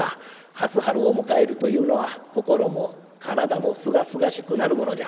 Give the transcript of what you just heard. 初春を迎えるというのは心も体もすがすがしくなるものじゃ。